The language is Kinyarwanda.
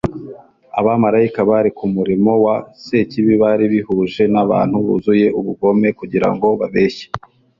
Abamaraika bari ku murimo wa sekibi bari bihuje n'abantu buzuye ubugome kugira ngo babeshye